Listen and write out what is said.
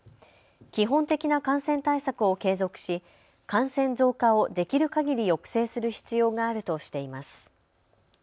基本的な感染対策を継続し感染増加をできるかぎり抑制する必要があるとしています。